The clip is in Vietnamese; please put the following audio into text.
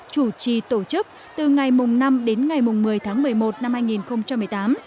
chủ trì tổ chức từ ngày năm đến ngày một mươi tháng một mươi một năm hai nghìn một mươi tám